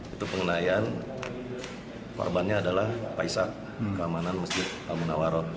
itu pengenaian korbannya adalah paisa keamanan masjid al munawarro